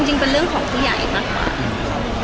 จริงเป็นเรื่องของผู้ใหญ่มากกว่า